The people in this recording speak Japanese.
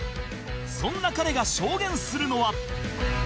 そんな彼が証言するのは